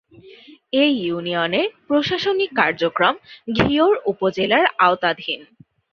এ ইউনিয়নের প্রশাসনিক কার্যক্রম ঘিওর উপজেলার আওতাধীন